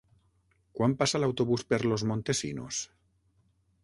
Quan passa l'autobús per Los Montesinos?